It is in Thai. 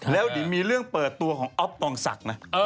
แล้วเดี๋ยวมีเรื่องเปิดตัวของอ๊อฟตองศักดิ์นะ